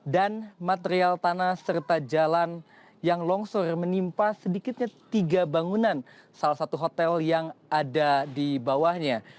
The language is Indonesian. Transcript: dan material tanah serta jalan yang longsor menimpa sedikitnya tiga bangunan salah satu hotel yang ada di bawahnya